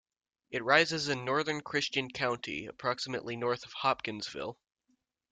It rises in northern Christian County, approximately north of Hopkinsville.